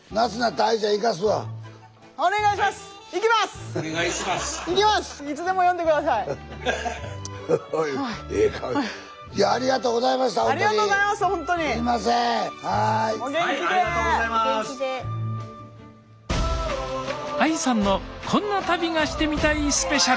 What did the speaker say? ＡＩさんの「こんな旅がしてみたいスペシャル」。